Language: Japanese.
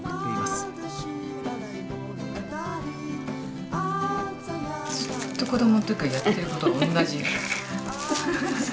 ずっと子どものときからやってることが同じ。